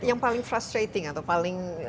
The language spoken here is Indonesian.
tapi yang paling frustrating atau paling